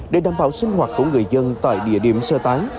để đảm bảo sinh hoạt của người dân tại địa điểm sơ tán